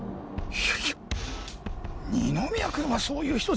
いやいや二宮君はそういう人じゃないよ。